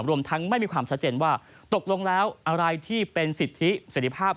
รวมทั้งไม่มีความชัดเจนว่าตกลงแล้วอะไรที่เป็นสิทธิเสร็จภาพ